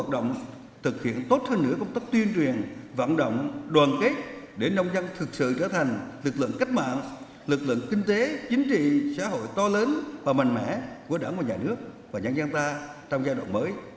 được trở thành lực lượng cách mạng lực lượng kinh tế chính trị xã hội to lớn và mạnh mẽ của đảng và nhà nước và nhân dân ta trong giai đoạn mới